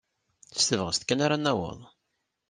S tebɣest kan ara naweḍ.